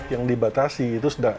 yang dibatasi itu sudah